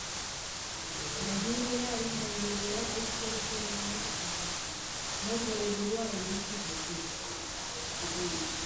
Gailurrera ez da heldu behar beste guztien gainetik pasatzen, nork bere burua gaindituz baizik.